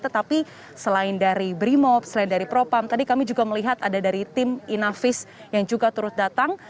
tetapi selain dari brimop selain dari propam tadi kami juga melihat ada dari tim inavis yang juga turut datang